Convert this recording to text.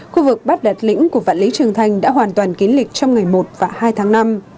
khu vực bắt đạt lĩnh của vạn lý trường thành đã hoàn toàn kín lịch trong ngày một và hai tháng năm